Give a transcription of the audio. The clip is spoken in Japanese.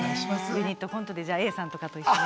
ユニットコントでじゃあＡさんとかと一緒に。